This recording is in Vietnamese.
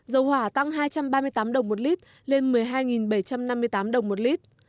dầu hỏa tăng hai trăm ba mươi tám đồng một lít lên một mươi hai bảy trăm năm mươi tám đồng một lít